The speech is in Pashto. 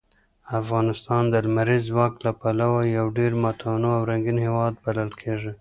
افغانستان د لمریز ځواک له پلوه یو ډېر متنوع او رنګین هېواد بلل کېږي.